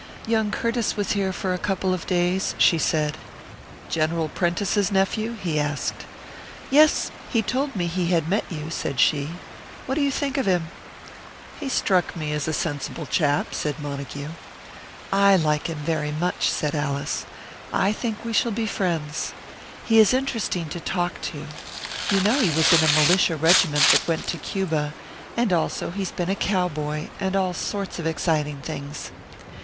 "Young Curtiss was here for a couple of days," she said. "General Prentice's nephew?" he asked. "Yes. He told me he had met you," said she. "What do you think of him?" "He struck me as a sensible chap," said Montague. "I like him very much," said Alice. "I think we shall be friends. He is interesting to talk to; you know he was in a militia regiment that went to Cuba, and also he's been a cowboy, and all sorts of exciting things.